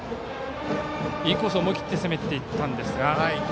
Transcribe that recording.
インコースを思い切って攻めていったんですが。